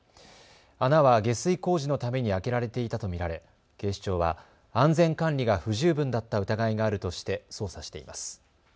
穴は下水工事のために開けられていたと見られ警視庁は安全管理が不十分だった疑いがあるとして捜査しています。